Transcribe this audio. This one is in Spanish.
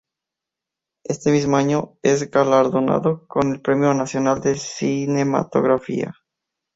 Este mismo año es galardonado con el Premio Nacional de Cinematografía.